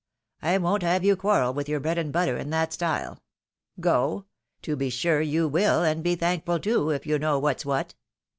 I won't have you quarrel with your bread and butter in that style. Go ? To be sure you wlU, and be thankful too, if you know what's what."